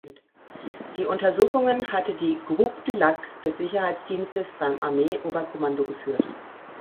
Die Untersuchungen hatte die Groupe du Lac des Sicherheitsdienstes beim Armeeoberkommando geführt.